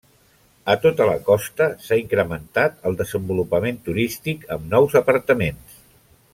A tota la costa s'ha incrementat el desenvolupament turístic, amb nous apartaments.